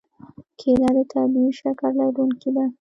کېله د طبیعي شکر لرونکې ده.